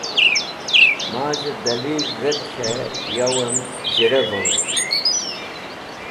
Maz̃hẽ dẽlil dhet k̃hẽ yawẽm z̃herevovd